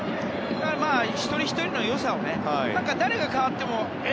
一人ひとりの良さをね誰が代わってもえ？